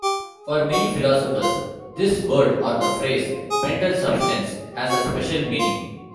For many philosophers, this word or the phrase "mental substance" has a special meaning.